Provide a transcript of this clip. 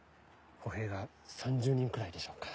歩兵が３０人くらいでしょうか。